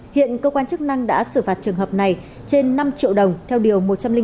hiện cơ quan chức năng đã xử phạt trường hợp này trên năm triệu đồng theo điều một trăm linh bốn